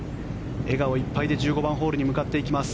笑顔いっぱいで１５番ホールに向かっていきます。